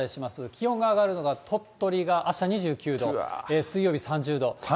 気温が上がるのが、鳥取があした２９度、水曜日３０度。